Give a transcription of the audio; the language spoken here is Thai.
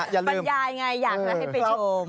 อย่างไรอยากนะให้ไปชม